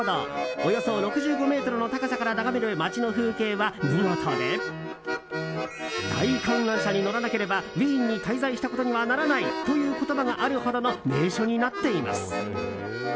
およそ６５ｍの高さから眺める街の風景は見事で大観覧車に乗らなければウィーンに滞在したことにはならないという言葉があるほどの名所になっています。